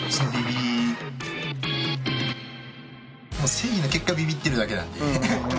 誠意の結果ビビってるだけなんで。